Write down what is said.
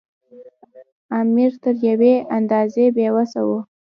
امیر تر یوې اندازې بې وسه وو.